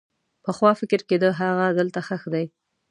پخوا فکر کېده هغه دلته ښخ دی.